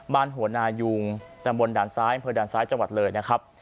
บ้านหัวนายูงดังบนด้านซ้ายภพิลด้านซ้ายจังหวัดเลยนะครับ